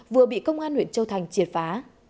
vừa bị công an huyện châu thành triệt phá